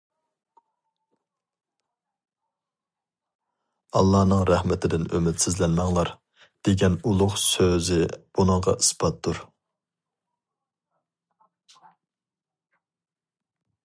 «ئاللانىڭ رەھمىتىدىن ئۈمىدسىزلەنمەڭلار» دېگەن ئۇلۇغ سۆزى بۇنىڭغا ئىسپاتتۇر.